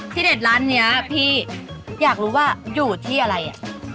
ที่เด็ดร้านนี้พี่อยากรู้ว่าอยู่ที่อะไรอ่ะ